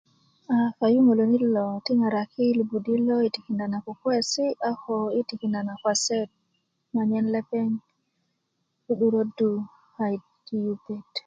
a kayuŋälanit lo ti ŋaraki li'budi lo i tikindá na kukuesi a ko i tikinda na kwaset nyarnyar lepeŋ i 'durädu kayit i yupet